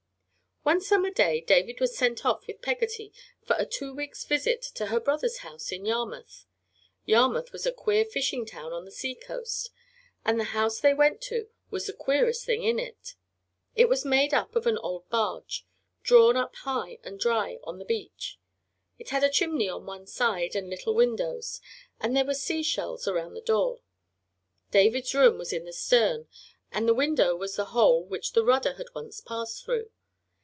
One summer day David was sent off with Peggotty for a two weeks' visit to her brother's house in Yarmouth. Yarmouth was a queer fishing town on the sea coast, and the house they went to was the queerest thing in it. It was made of an old barge, drawn up high and dry on the beach. It had a chimney on one side and little windows, and there were sea shells around the door. David's room was in the stern, and the window was the hole which the rudder had once passed through.